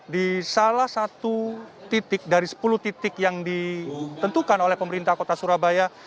di salah satu titik dari sepuluh titik yang ditentukan oleh pemerintah kota surabaya